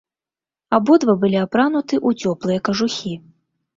Абодва былі апрануты ў цёплыя кажухі.